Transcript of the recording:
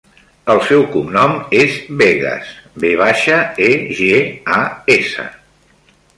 El seu cognom és Vegas: ve baixa, e, ge, a, essa.